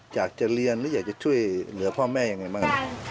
อยากจะเรียนหรืออยากจะช่วยเหลือพ่อแม่ยังไงบ้าง